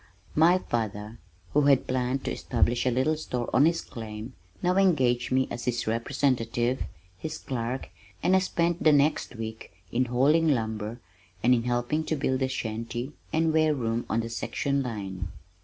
My father, who had planned to establish a little store on his claim, now engaged me as his representative, his clerk, and I spent the next week in hauling lumber and in helping to build the shanty and ware room on the section line.